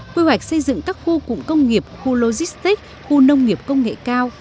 quy hoạch xây dựng các khu cụm công nghiệp khu logistic khu nông nghiệp công nghệ cao